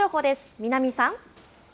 南さん。